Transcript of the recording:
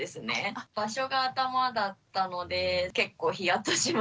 場所が頭だったので結構ヒヤッとしました。